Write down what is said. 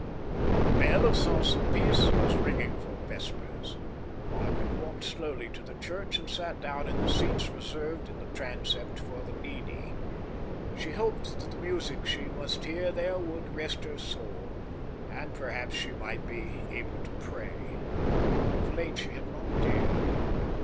The bell of Saint Sulpice was ringing for vespers. Margaret walked slowly to the church, and sat down in the seats reserved in the transept for the needy. She hoped that the music she must hear there would rest her soul, and perhaps she might be able to pray. Of late she had not dared.